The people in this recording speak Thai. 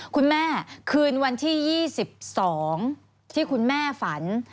คุณแม่คืนวันที่๒๒ที่คุณแม่ฝัน